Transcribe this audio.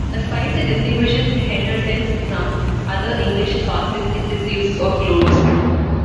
A spice that distinguishes Henderson's from other English sauces is its use of cloves.